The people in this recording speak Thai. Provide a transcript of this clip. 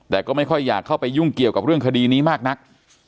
แต่ก็ไม่ค่อยอยากเข้าไปยุ่งเกี่ยวกับเรื่องคดีนี้มากนัก